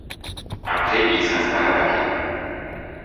Après il s'installe à Paris.